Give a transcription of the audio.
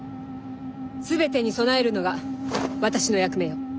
全てに備えるのが私の役目よ。